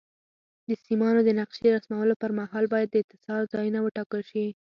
د سیمانو د نقشې رسمولو پر مهال باید د اتصال ځایونه وټاکل شي.